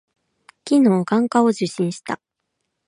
昨日、眼科を受診した。